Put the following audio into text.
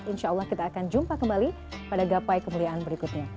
insya allah kita akan jumpa kembali pada gapai kemuliaan berikutnya